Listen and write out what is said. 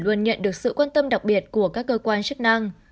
luôn nhận được sự quan tâm đặc biệt của các cơ quan chức năng